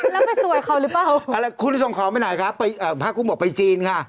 แล้วไปสวยเขาหรือเปล่าอะไรคุณจะส่งของไปไหนครับพระกุ้งบอกไปจีนค่ะ